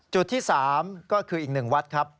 จุดที่๓ก็คืออีก๑วัดครับ